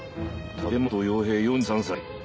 武本洋平４３歳。